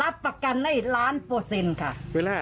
รับประกันได้ล้านเปอร์เซ็นต์ค่ะเวลา